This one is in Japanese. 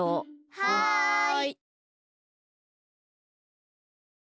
はい！